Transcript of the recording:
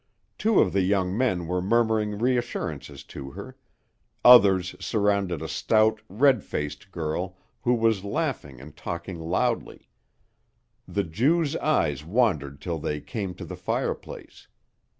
Two of the young men were murmuring reassurances to her; others surrounded a stout, red faced girl who was laughing and talking loudly. The Jew's eyes wandered till they came to the fireplace.